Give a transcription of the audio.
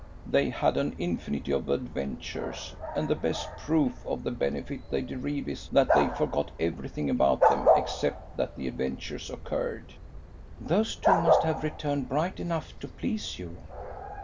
"They had an infinity of adventures, and the best proof of the benefit they derived is, that they forgot everything about them except that the adventures occurred." "Those two must have returned bright enough to please you."